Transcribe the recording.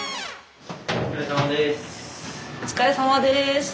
お疲れさまです。